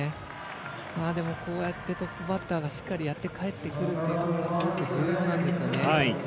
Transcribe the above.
でも、こうやってトップバッターがしっかりやって帰ってくるということがすごく重要なんですよね。